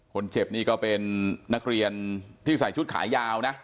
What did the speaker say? คนเจ็บนี่ก็เป็นนักเรียนที่ใส่ชุดขายาวนะ